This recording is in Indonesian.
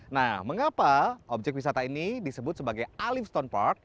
nah mengapa objek wisata ini disebut sebagai alif stone park